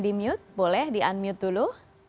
di mute boleh di unmute dulu